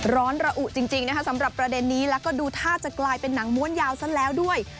ระอุจริงนะคะสำหรับประเด็นนี้แล้วก็ดูท่าจะกลายเป็นหนังม้วนยาวซะแล้วด้วย